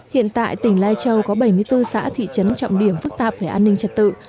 hiện tại tỉnh lai châu có bảy mươi bốn xã thị trấn trọng điểm phức tạp về an ninh trật tự